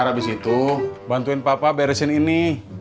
tar abis itu bantuin papa beresin ini